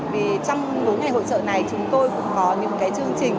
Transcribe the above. vì trong bốn ngày hội trợ này chúng tôi cũng có những cái chương trình